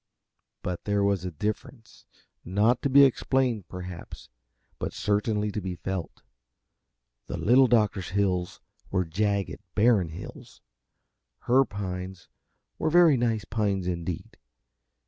But there was a difference, not to be explained, perhaps, but certainly to be felt. The Little Doctor's hills were jagged, barren hills; her pines were very nice pines indeed.